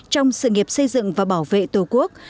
trong sự nghiệp xây dựng và bảo vệ tổ quốc